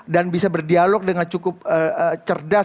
bisa berdialog dengan cukup cerdas